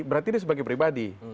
berarti dia sebagai pribadi